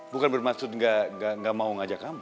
bukan bermaksud gak mau ngajak kamu